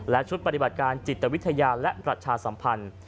และชุดปฏิบัติการจิตวิทยาและประชาสัมพันธ์